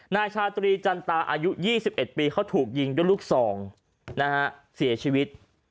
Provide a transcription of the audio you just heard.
นายชาตรีจันตาอายุ๒๑ปีเขาถูกยิงด้วยลูกซองนะฮะเสียชีวิต